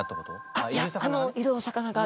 あっいやいるお魚が。